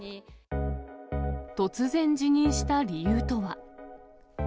突然辞任した理由とは。